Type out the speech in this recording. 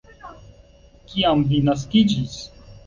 Kiam vi naskiĝis?